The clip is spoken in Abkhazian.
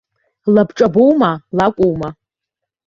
Лабҿабоума, лакәума?